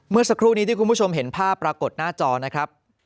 เมื่อสักครู่นี้ที่คุณผู้ชมเห็นภาพปรากฏหน้าจอนะครับ